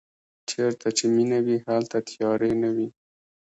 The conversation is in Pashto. چېرته چې مینه وي هلته تیارې نه وي.